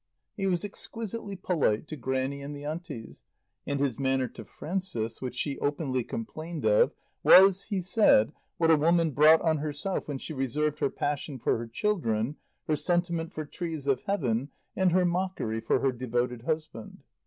He was exquisitely polite to Grannie and the Aunties, and his manner to Frances, which she openly complained of, was, he said, what a woman brought on herself when she reserved her passion for her children, her sentiment for trees of Heaven, and her mockery for her devoted husband.